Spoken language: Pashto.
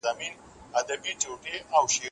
دوی به غچ اخلي.